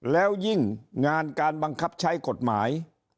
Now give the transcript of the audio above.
แล้วยิ่งงานการบังคับใช้กฎหมาย